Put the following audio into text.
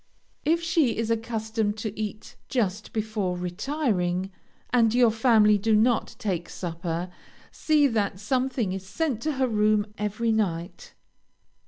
If she is accustomed to eat just before retiring, and your family do not take supper, see that something is sent to her room every night.